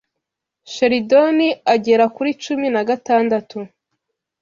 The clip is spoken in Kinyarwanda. Shelidoni agera kuri cumi nagatandatu